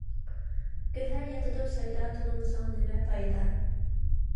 گۆھەر ياتىدۇ سايدا، تۇنۇمىساڭ نىمە پايدا.